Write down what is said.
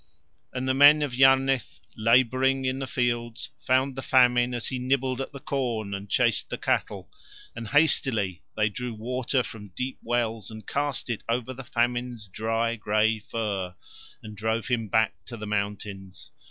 And men of Yarnith, labouring in the fields, found the Famine as he nibbled at the corn and chased the cattle, and hastily they drew water from deep wells and cast it over the Famine's dry grey fur and drove him back to the mountains.